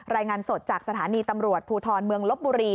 รายงานสดจากสถานีตำรวจภูทรเมืองลบบุรี